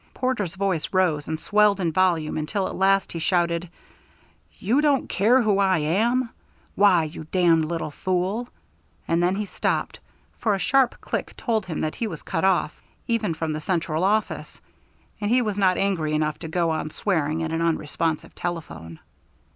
Porter's voice rose and swelled in volume until at last he shouted, "You don't care who I am? Why, you damned little fool " and then he stopped, for a sharp click told him that he was cut off, even from the central office, and he was not angry enough to go on swearing at an unresponsive telephone.